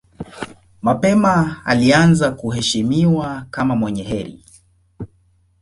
Mapema alianza kuheshimiwa kama mwenye heri.